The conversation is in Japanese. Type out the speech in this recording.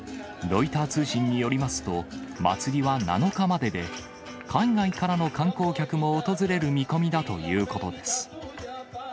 ロイター通信によりますと、祭りは７日までで、海外からの観光客も訪れる見込みだということです。